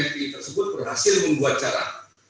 fpi tersebut berhasil membuat cara